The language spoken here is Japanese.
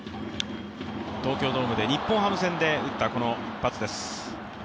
東京ドームで日本ハム戦で打った一発です。